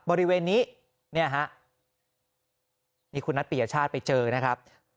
บริเวณนี้เนี่ยฮะนี่คุณนัทปียชาติไปเจอนะครับ